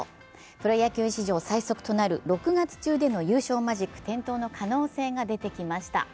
プロ野球史上最速となる６月中での優勝マジック点灯の可能性が出てきました。